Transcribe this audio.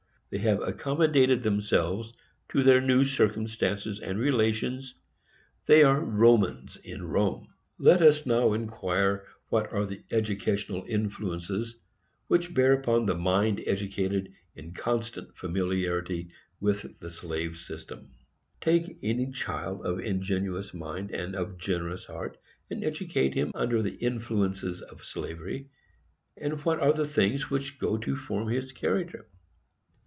They have accommodated themselves to their new circumstances and relations,—they are Romans in Rome. Let us now inquire what are the educational influences which bear upon the mind educated in constant familiarity with the slave system. Take any child of ingenuous mind and of generous heart, and educate him under the influences of slavery, and what are the things which go to form his character?